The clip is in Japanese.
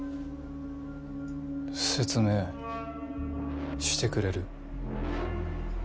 説明してくれる？